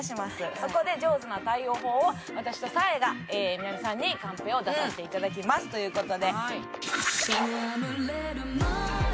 そこで上手な対応法を私とサーヤがみな実さんにカンペを出させていただきますという事で。